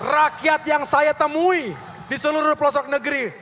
rakyat yang saya temui di seluruh pelosok negeri